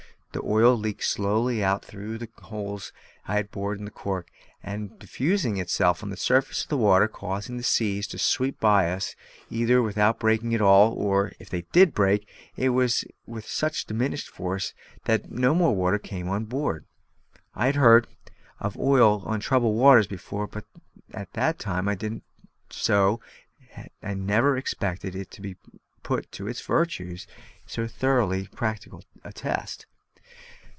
The oil leaked slowly out through the holes I had bored in the cork, and, diffusing itself on the surface of the water, caused the seas to sweep by us either without breaking at all, or, if they did break, it was with such diminished force that no more water came on board. I had heard of "oil on troubled waters" before, but at the time that I did so I never expected to put its virtues to so thoroughly practical a test.